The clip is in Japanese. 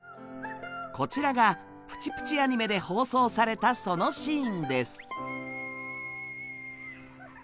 こちらが「プチプチ・アニメ」で放送されたそのシーンです。